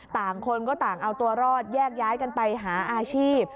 ต่างคนก็ต่างเอาตัวรอดแยกย้ายกันไปหาอาชีพ